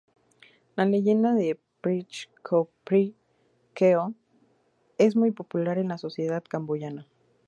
La "Leyenda de Preah Ko Preah Keo" es muy popular en la sociedad camboyana.